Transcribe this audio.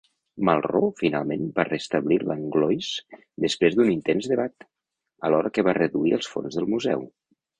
Malraux finalment va restablir Langlois després d'un intens debat, alhora que va reduir els fons del museu.